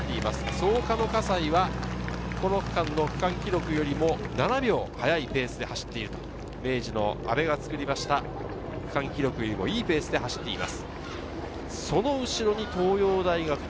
創価の葛西はこの区間の区間記録よりも７秒速いペースで明治の阿部が作った区間記録よりもいいペースで走っています。